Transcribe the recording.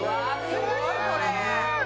すごいこれ！